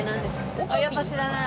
やっぱ知らない？